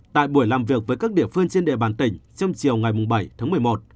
tại buổi làm việc với các địa phương trên địa bàn tỉnh trong chiều ngày bảy tháng một mươi một